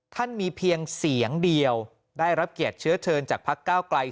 มีเพียงเสียงเดียวได้รับเกียรติเชื้อเชิญจากพักก้าวไกล